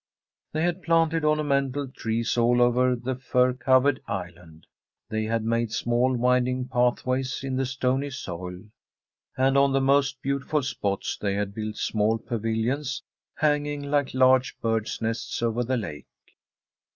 They had planted ornamental trees all over the fir covered island. They had made small winding pathways in the stony soil, and on the most beautiful spots they had built small pavilions, hanging like large birds' nests over the lake.